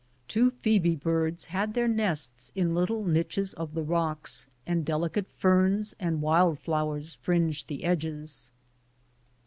Two phoebe birds had their nests in little niches of the rocks, and delicate ferns and wild flowers fringed the edges.